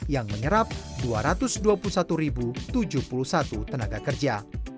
yang menyerap dua ratus dua puluh satu tujuh puluh satu tenaga kerja